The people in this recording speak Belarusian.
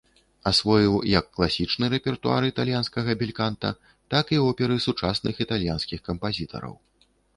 Асвоіў як класічны рэпертуар італьянскага бельканта, так і оперы сучасных італьянскіх кампазітараў.